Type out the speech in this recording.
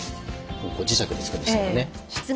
磁石で付くんですけどね。